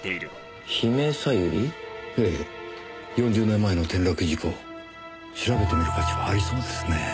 ４０年前の転落事故調べてみる価値はありそうですねぇ。